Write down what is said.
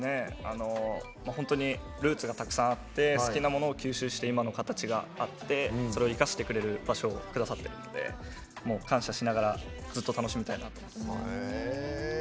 本当にルーツがたくさんあって好きなものを吸収して今の形があってそれを生かしてくれる場所をくださってるので感謝しながらずっと楽しみたいなと思います。